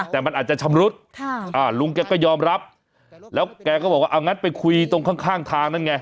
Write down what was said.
แต่มันอาจจะชำรุดลุงแกก็ยอมรับแล้วแกก็บอกว่าเอางั้นไปคุยตรงข้างทางนั่นไง